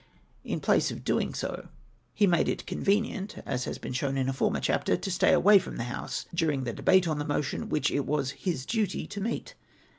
In place of so doing, he made it convenient — as has been show^n in a former chapter — to stay away from the House durinsr the debate on that motion, wdiich it was " his duty " to meet.